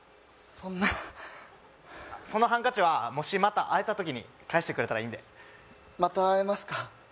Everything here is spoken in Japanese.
そんなそのハンカチはもしまた会えた時に返してくれたらいいんでまた会えますか？